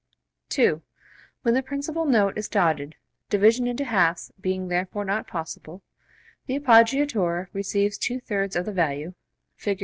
(2) When the principal note is dotted (division into halves being therefore not possible), the appoggiatura receives two thirds of the value. (Fig.